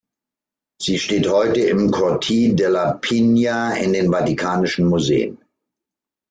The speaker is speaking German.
Sie steht heute im "Cortile della Pigna" in den Vatikanischen Museen.